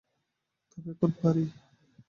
তবে এখন পারি।